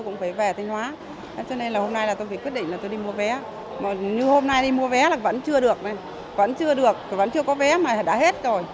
như hôm nay đi mua vé là vẫn chưa được vẫn chưa có vé mà đã hết rồi